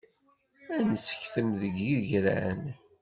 Ad nessektem deg yigran.